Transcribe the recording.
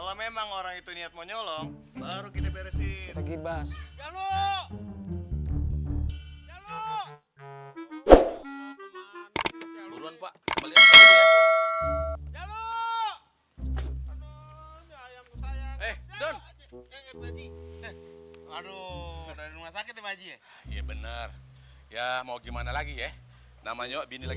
sampai jumpa di video selanjutnya